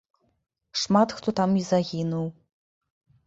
Шмат хто там і загінуў.